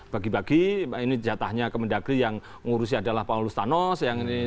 bagi bagi ini jatahnya kemendagri yang ngurusnya adalah paulus thanos